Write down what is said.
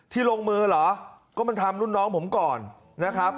ลงมือเหรอก็มันทำรุ่นน้องผมก่อนนะครับ